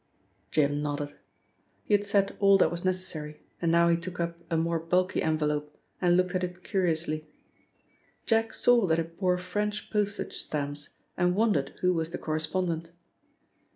Jim nodded. He had said all that was necessary and now he took up a more bulky envelope and looked at it curiously. Jack saw that it bore French postage stamps and wondered who was the correspondent.